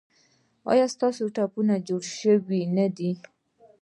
ایا ستاسو ټپونه جوړ شوي نه دي؟